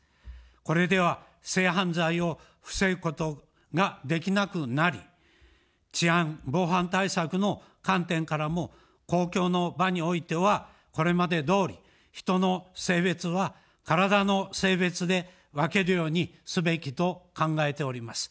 これでは性犯罪を防ぐことができなくなり、治安、防犯対策の観点からも、公共の場においては、これまでどおり人の性別は体の性別で分けるようにすべきと考えております。